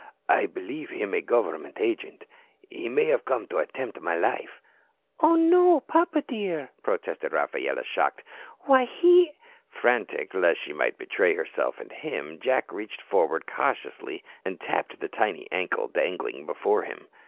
"I believe him a government agent. He may have come to attempt my life." "Oh, no, papa, dear," protested Rafaela, shocked. "Why, he " Frantic lest she might betray herself and him, Jack reached forward cautiously and tapped the tiny ankle dangling before him.